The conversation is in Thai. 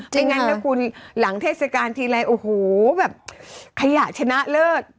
ไม่งั้นนะคุณหลังเทศกาลทีไรโอ้โหแบบขยะชนะเลิศ